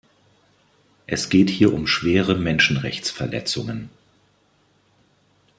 Es geht hier um schwere Menschenrechtsverletzungen.